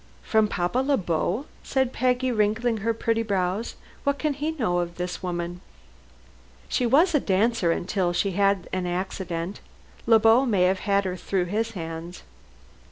"From Papa Le Beau," said Peggy, wrinkling her pretty brows. "What can he know of this woman?" "She was a dancer until she had an accident. Le Beau may have had her through his hands."